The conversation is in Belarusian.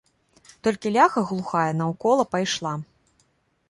Толькі ляха глухая наўкола пайшла.